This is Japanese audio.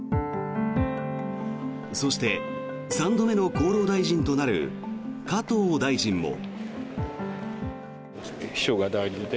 そして、３度目の厚労大臣となる加藤大臣も。